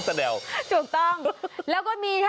เป็นขบวนขบวนนะ